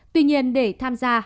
tuy nhiên để tham gia